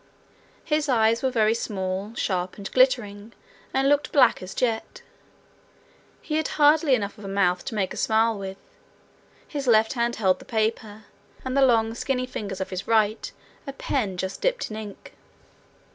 His eyes were very small, sharp, and glittering, and looked black as jet. He had hardly enough of a mouth to make a smile with. His left hand held the paper, and the long, skinny fingers of his right a pen just dipped in ink.